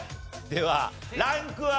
ではランクは？